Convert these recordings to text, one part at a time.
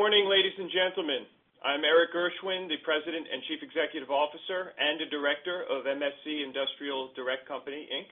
Good morning, ladies and gentlemen. I'm Erik Gershwind, the President and Chief Executive Officer, and a Director of MSC Industrial Direct Co., Inc.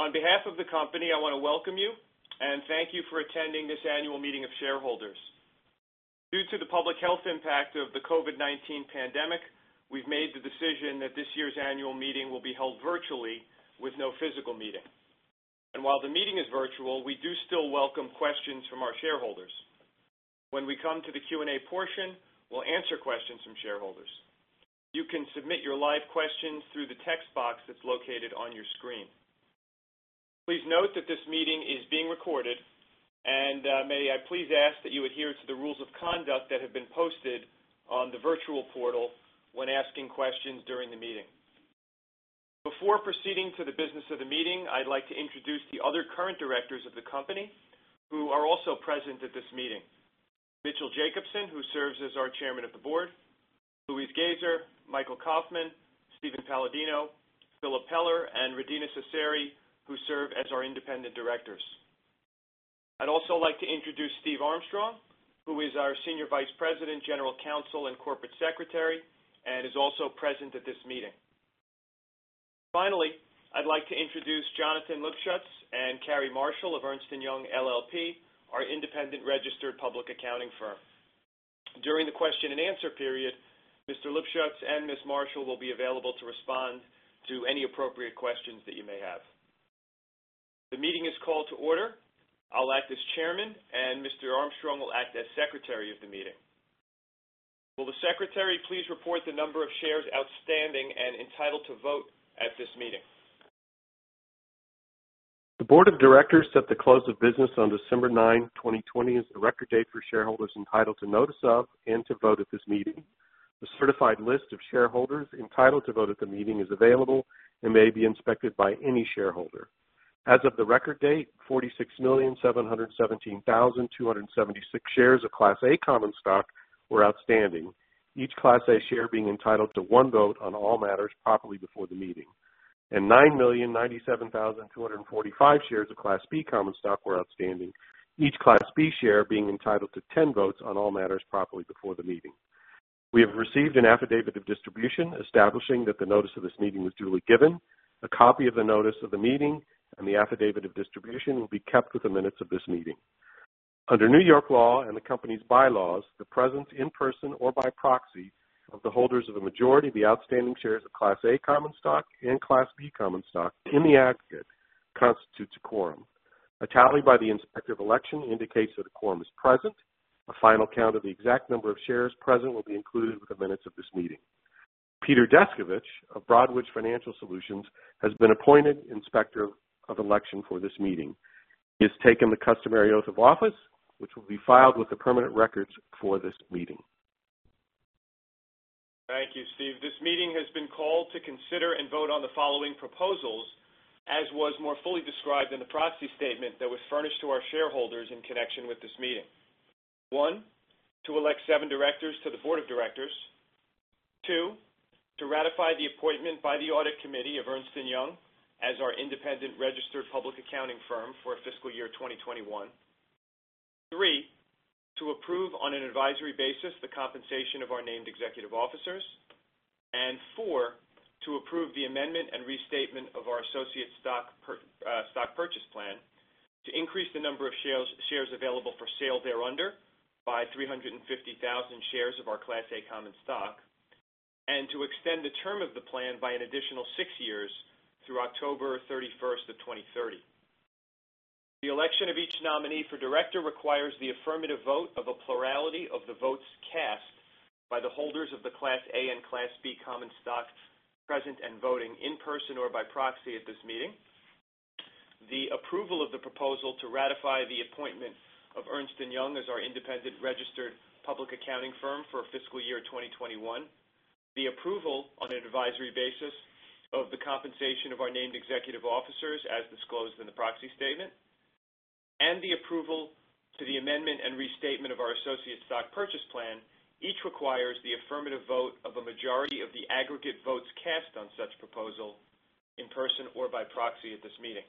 On behalf of the company, I want to welcome you and thank you for attending this annual meeting of shareholders. Due to the public health impact of the COVID-19 pandemic, we've made the decision that this year's annual meeting will be held virtually with no physical meeting. While the meeting is virtual, we do still welcome questions from our shareholders. When we come to the Q&A portion, we'll answer questions from shareholders. You can submit your live questions through the text box that's located on your screen. Please note that this meeting is being recorded, and may I please ask that you adhere to the rules of conduct that have been posted on the virtual portal when asking questions during the meeting. Before proceeding to the business of the meeting, I'd like to introduce the other current directors of the company who are also present at this meeting. Mitchell Jacobson, who serves as our Chairman of the Board, Louise Goeser, Michael Kaufmann, Steven Paladino, Philip Peller, and Rudina Seseri, who serve as our independent directors. I'd also like to introduce Steve Armstrong, who is our Senior Vice President, General Counsel, and Corporate Secretary, and is also present at this meeting. Finally, I'd like to introduce Jonathan Lipschutz and Carrie Marshall of Ernst & Young LLP, our independent registered public accounting firm. During the question and answer period, Mr. Lipschutz and Ms. Marshall will be available to respond to any appropriate questions that you may have. The meeting is called to order. I'll act as chairman, and Mr. Armstrong will act as secretary of the meeting. Will the secretary please report the number of shares outstanding and entitled to vote at this meeting? The Board of Directors set the close of business on December 9, 2020 as the record date for shareholders entitled to notice of and to vote at this meeting. The certified list of shareholders entitled to vote at the meeting is available and may be inspected by any shareholder. As of the record date, 46,717,276 shares of Class A common stock were outstanding, each Class A share being entitled to one vote on all matters properly before the meeting, and 9,097,245 shares of Class B common stock were outstanding, each Class B share being entitled to 10 votes on all matters properly before the meeting. We have received an affidavit of distribution establishing that the notice of this meeting was duly given. A copy of the notice of the meeting and the affidavit of distribution will be kept with the minutes of this meeting. Under New York law and the company's bylaws, the presence in person or by proxy of the holders of a majority of the outstanding shares of Class A common stock and Class B common stock in the aggregate constitutes a quorum. A tally by the Inspector of Election indicates that a quorum is present. A final count of the exact number of shares present will be included with the minutes of this meeting. Peter Descovich of Broadridge Financial Solutions has been appointed Inspector of Election for this meeting. He has taken the customary oath of office, which will be filed with the permanent records for this meeting. Thank you, Steve. This meeting has been called to consider and vote on the following proposals, as was more fully described in the proxy statement that was furnished to our shareholders in connection with this meeting. One, to elect seven directors to the Board of Directors. Two, to ratify the appointment by the Audit Committee of Ernst & Young as our independent registered public accounting firm for fiscal year 2021. Three, to approve on an advisory basis the compensation of our named executive officers. Four, to approve the amendment and restatement of our associate stock purchase plan to increase the number of shares available for sale thereunder by 350,000 shares of our Class A common stock and to extend the term of the plan by an additional six years through October 31st of 2030. The election of each nominee for director requires the affirmative vote of a plurality of the votes cast by the holders of the Class A and Class B common stock present and voting in person or by proxy at this meeting. The approval of the proposal to ratify the appointment of Ernst & Young as our independent registered public accounting firm for fiscal year 2021, the approval on an advisory basis of the compensation of our named executive officers as disclosed in the proxy statement, and the approval to the amendment and restatement of our associates stock purchase plan, each requires the affirmative vote of a majority of the aggregate votes cast on such proposal in person or by proxy at this meeting.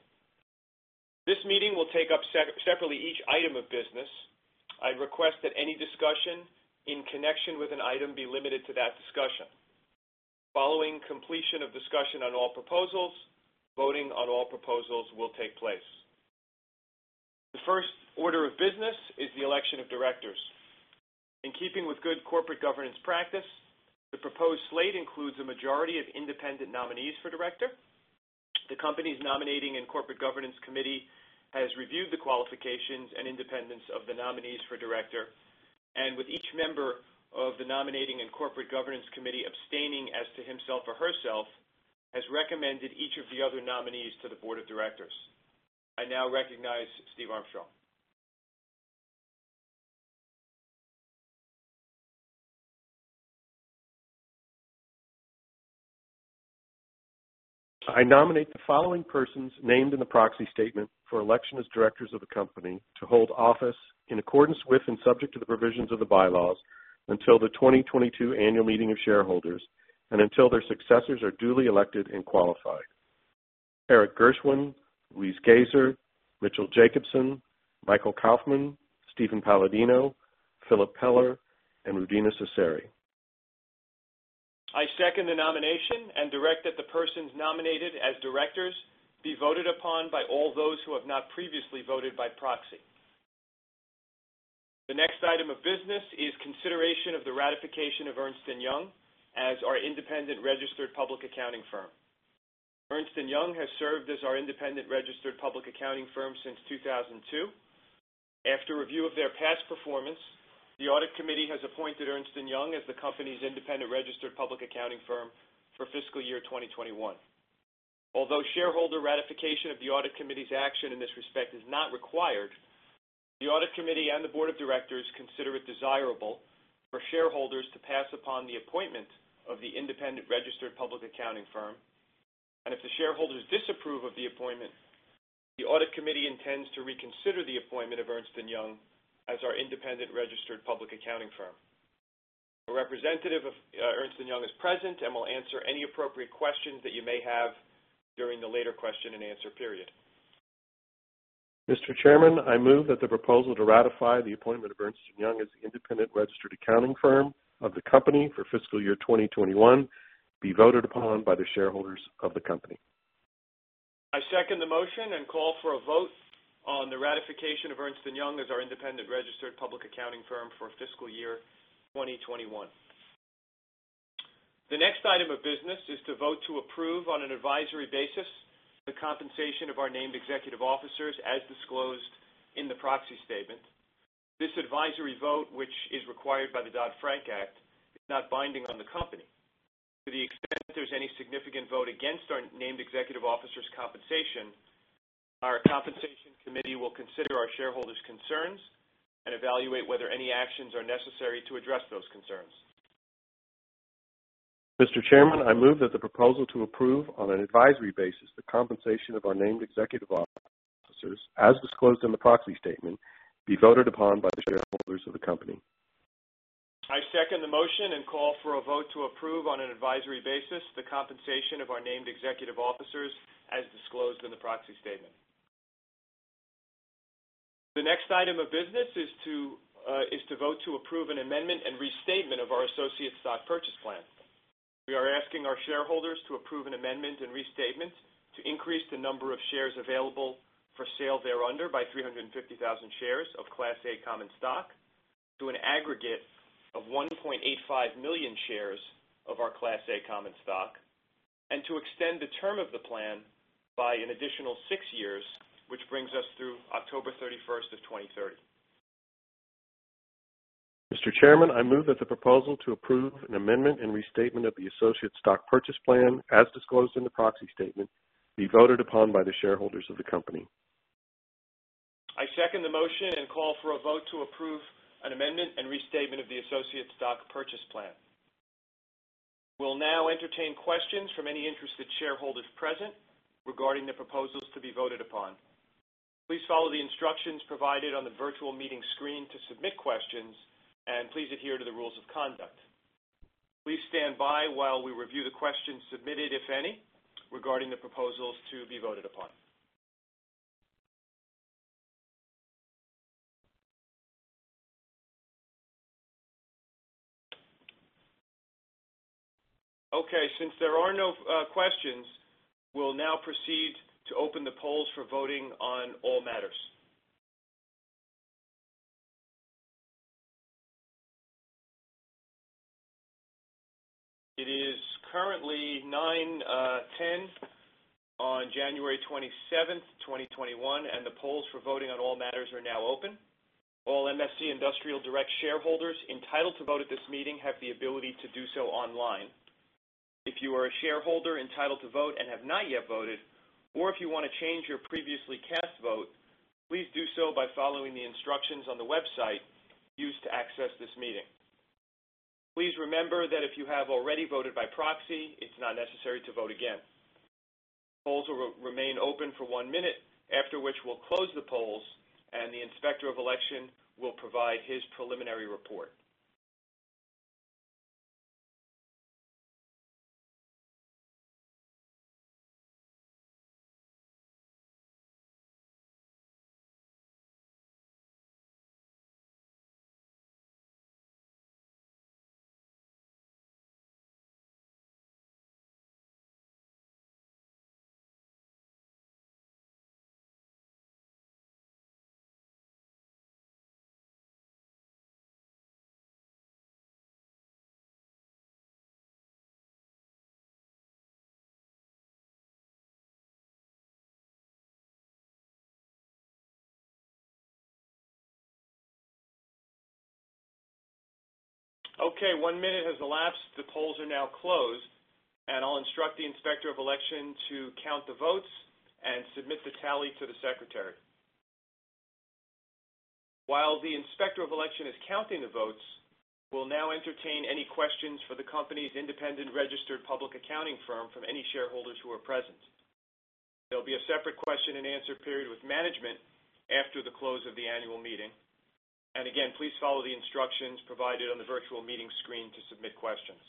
This meeting will take up separately each item of business. I request that any discussion in connection with an item be limited to that discussion. Following completion of discussion on all proposals, voting on all proposals will take place. The first order of business is the election of directors. In keeping with good corporate governance practice, the proposed slate includes a majority of independent nominees for director. The company's Nominating and Corporate Governance Committee has reviewed the qualifications and independence of the nominees for director, and with each member of the Nominating and Corporate Governance Committee abstaining as to himself or herself, has recommended each of the other nominees to the Board of Directors. I now recognize Steve Armstrong. I nominate the following persons named in the proxy statement for election as directors of the company to hold office in accordance with and subject to the provisions of the bylaws until the 2022 annual meeting of shareholders and until their successors are duly elected and qualified Erik Gershwind, Louise Goeser, Mitchell Jacobson, Michael Kaufmann, Steven Paladino, Philip Peller, and Rudina Seseri. I second the nomination and direct that the persons nominated as directors be voted upon by all those who have not previously voted by proxy. The next item of business is consideration of the ratification of Ernst & Young as our independent registered public accounting firm. Ernst & Young has served as our independent registered public accounting firm since 2002. After review of their past performance, the audit committee has appointed Ernst & Young as the company's independent registered public accounting firm for fiscal year 2021. Although shareholder ratification of the audit committee's action in this respect is not required, the audit committee and the Board of Directors consider it desirable for shareholders to pass upon the appointment of the independent registered public accounting firm. If the shareholders disapprove of the appointment, the audit committee intends to reconsider the appointment of Ernst & Young as our independent registered public accounting firm. A representative of Ernst & Young is present and will answer any appropriate questions that you may have during the later question and answer period. Mr. Chairman, I move that the proposal to ratify the appointment of Ernst & Young as the independent registered accounting firm of the company for fiscal year 2021 be voted upon by the shareholders of the company. I second the motion and call for a vote on the ratification of Ernst & Young as our independent registered public accounting firm for fiscal year 2021. The next item of business is to vote to approve, on an advisory basis, the compensation of our named executive officers as disclosed in the proxy statement. This advisory vote, which is required by the Dodd-Frank Act, is not binding on the company. To the extent there's any significant vote against our named executive officers' compensation, our compensation committee will consider our shareholders' concerns and evaluate whether any actions are necessary to address those concerns. Mr. Chairman, I move that the proposal to approve, on an advisory basis, the compensation of our named executive officers, as disclosed in the proxy statement, be voted upon by the shareholders of the company. I second the motion and call for a vote to approve on an advisory basis the compensation of our named executive officers as disclosed in the proxy statement. The next item of business is to vote to approve an amendment and restatement of our associates' stock purchase plan. We are asking our shareholders to approve an amendment and restatement to increase the number of shares available for sale thereunder by 350,000 shares of Class A common stock to an aggregate of 1.85 million shares of our Class A common stock, and to extend the term of the plan by an additional six years, which brings us through October 31st of 2030. Mr. Chairman, I move that the proposal to approve an amendment and restatement of the Associates' Stock Purchase Plan, as disclosed in the proxy statement, be voted upon by the shareholders of the company. I second the motion and call for a vote to approve an amendment and restatement of the associates' stock purchase plan. We'll now entertain questions from any interested shareholders present regarding the proposals to be voted upon. Please follow the instructions provided on the virtual meeting screen to submit questions, and please adhere to the rules of conduct. Please stand by while we review the questions submitted, if any, regarding the proposals to be voted upon. Okay, since there are no questions, we'll now proceed to open the polls for voting on all matters. It is currently 9:10 A.M. on January 27th, 2021, and the polls for voting on all matters are now open. All MSC Industrial Direct shareholders entitled to vote at this meeting have the ability to do so online. If you are a shareholder entitled to vote and have not yet voted, or if you want to change your previously cast vote, please do so by following the instructions on the website used to access this meeting. Please remember that if you have already voted by proxy, it's not necessary to vote again. Polls will remain open for one minute, after which we'll close the polls and the Inspector of Election will provide his preliminary report. Okay, one minute has elapsed. The polls are now closed, I'll instruct the Inspector of Election to count the votes and submit the tally to the secretary. While the Inspector of Election is counting the votes, we'll now entertain any questions for the company's independent registered public accounting firm from any shareholders who are present. There'll be a separate question and answer period with management after the close of the annual meeting. Again, please follow the instructions provided on the virtual meeting screen to submit questions.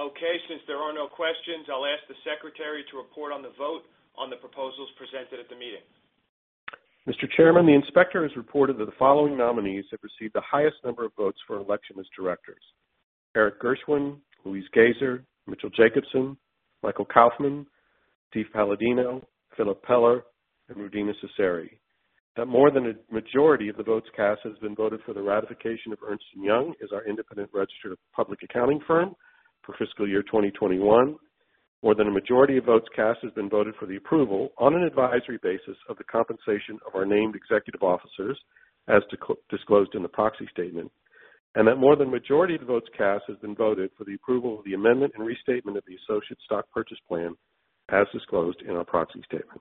Okay, since there are no questions, I'll ask the secretary to report on the vote on the proposals presented at the meeting. Mr. Chairman, the inspector has reported that the following nominees have received the highest number of votes for election as directors: Erik Gershwind, Louise Goeser, Mitchell Jacobson, Michael Kaufmann, Steven Paladino, Philip Peller, and Rudina Seseri. More than a majority of the votes cast has been voted for the ratification of Ernst & Young as our independent registered public accounting firm for fiscal year 2021. More than a majority of votes cast has been voted for the approval on an advisory basis of the compensation of our named executive officers as disclosed in the proxy statement. More than majority of the votes cast has been voted for the approval of the amendment and restatement of the associate stock purchase plan as disclosed in our proxy statement.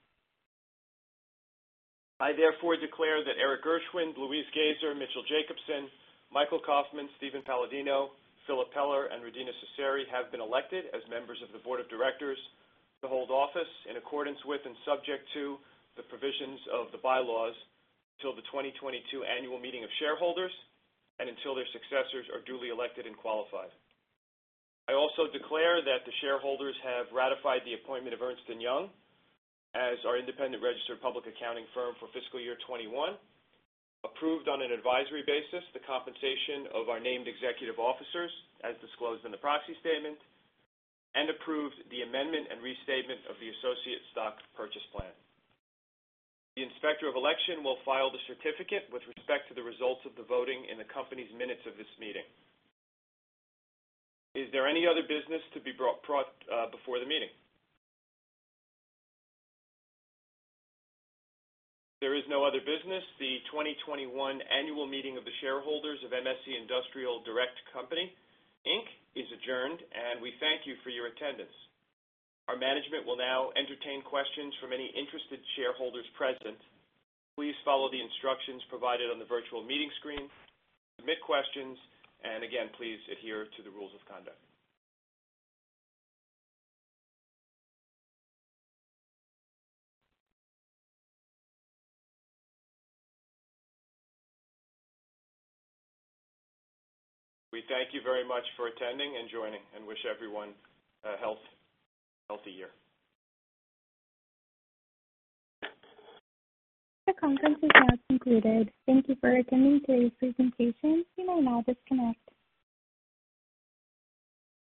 I therefore declare that Erik Gershwind, Louise Goeser, Mitchell Jacobson, Michael Kaufmann, Steven Paladino, Philip Peller, and Rudina Seseri have been elected as members of the Board of Directors to hold office in accordance with and subject to the provisions of the bylaws until the 2022 annual meeting of shareholders and until their successors are duly elected and qualified. I also declare that the shareholders have ratified the appointment of Ernst & Young as our independent registered public accounting firm for fiscal year 2021, approved on an advisory basis the compensation of our named executive officers as disclosed in the proxy statement, and approved the amendment and restatement of the associate stock purchase plan. The Inspector of Election will file the certificate with respect to the results of the voting in the company's minutes of this meeting. Is there any other business to be brought before the meeting? If there is no other business, the 2021 annual meeting of the shareholders of MSC Industrial Direct Co., Inc. is adjourned. We thank you for your attendance. Our management will now entertain questions from any interested shareholders present. Please follow the instructions provided on the virtual meeting screen to submit questions, and again, please adhere to the rules of conduct. We thank you very much for attending and joining and wish everyone a healthy year. The conference is now concluded. Thank you for attending today's presentation. You may now disconnect.